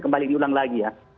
kembali diulang lagi ya